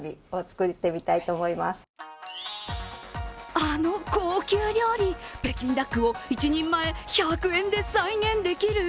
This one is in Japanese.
あの高級料理、北京ダックを１人前１００円で再現できる？